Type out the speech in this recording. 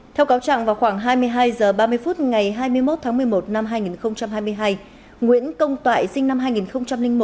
theo cáo trạng vào khoảng hai mươi hai h ba mươi phút ngày hai mươi một tháng một mươi một năm hai nghìn hai mươi hai nguyễn công toại sinh năm hai nghìn một